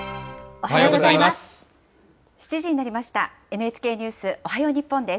おはようございます。